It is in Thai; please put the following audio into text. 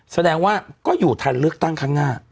แสดงว่าก็ทันก็อยู่นั่งคันน่า